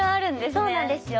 そうなんですよ。